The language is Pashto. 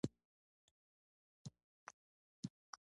نو فوراً مې وویل چې زه له میډیا سره مصروف یم.